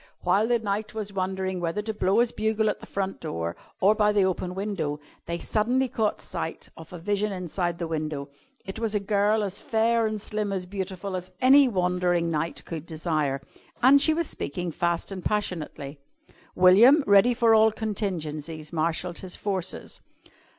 While the knight was wondering whether to blow his bugle at the front door or by the open window, they caught sight suddenly of a vision inside the window. It was a girl as fair and slim and beautiful as any wandering knight could desire. And she was speaking fast and passionately. William, ready for all contingencies, marshalled his forces.